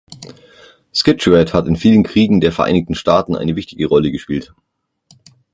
Scituate hat in vielen Kriegen der Vereinigten Staaten eine wichtige Rolle gespielt.